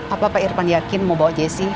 apa pak irfan yakin mau bawa jessi